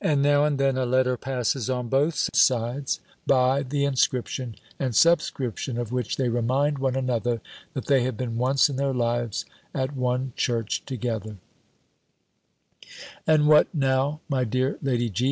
And now and then a letter passes on both sides, by. the inscription and subscription of which they remind one another that they have been once in their lives at one church together, And what now, my dear Lady G.